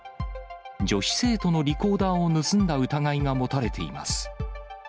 女子生徒のリコーダーを盗んだ疑いが持たれています。